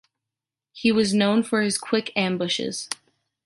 He was known for his quick ambushes.